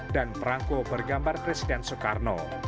dan perangku bergambar christian soekarno